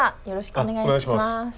お願いします。